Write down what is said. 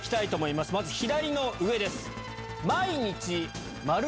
まず左の上です。